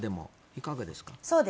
いかがですか。